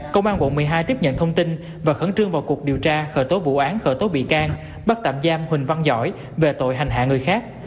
công an quận một mươi hai tiếp nhận thông tin và khẩn trương vào cuộc điều tra khởi tố vụ án khởi tố bị can bắt tạm giam huỳnh văn giỏi về tội hành hạ người khác